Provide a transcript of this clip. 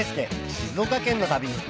静岡県の旅